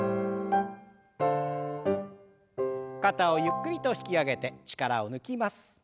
肩をゆっくりと引き上げて力を抜きます。